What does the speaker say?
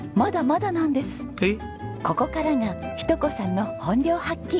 ここからが日登子さんの本領発揮。